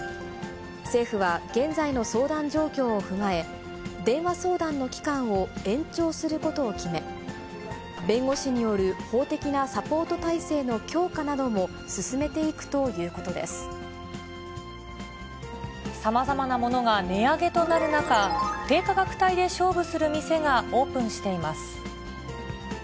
政府は、現在の相談状況を踏まえ、電話相談の期間を延長することを決め、弁護士による法的なサポート体制の強化なども進めていくというこさまざまなものが値上げとなる中、低価格帯で勝負する店がオープンしています。